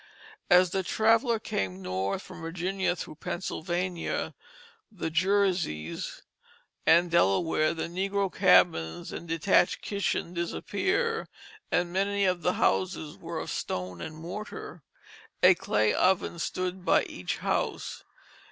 As the traveller came north from Virginia through Pennsylvania, "the Jerseys," and Delaware, the negro cabins and detached kitchen disappeared, and many of the houses were of stone and mortar. A clay oven stood by each house.